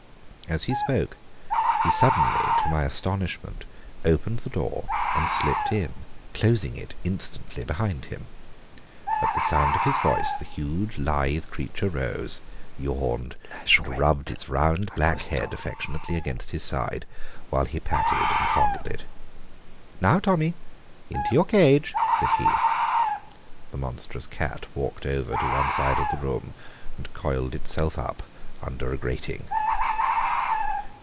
As he spoke he suddenly, to my astonishment, opened the door and slipped in, closing it instantly behind him. At the sound of his voice the huge, lithe creature rose, yawned and rubbed its round, black head affectionately against his side, while he patted and fondled it. "Now, Tommy, into your cage!" said he. The monstrous cat walked over to one side of the room and coiled itself up under a grating.